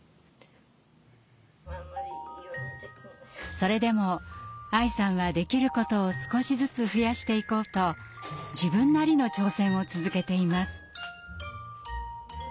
それでも愛さんはできることを少しずつ増やしていこうと自分なりの挑戦を続けています。